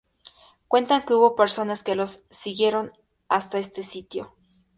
Cuentan que hubo personas que los siguieron hasta este sitio.